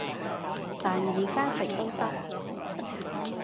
但而家食都得